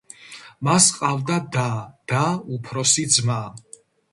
მას ჰყავდა და და უფროსი ძმა.